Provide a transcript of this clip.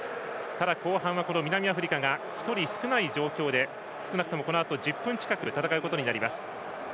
ただ、後半は南アフリカが１人少ない状況で少なくともこのあと１０分近く戦うことになります。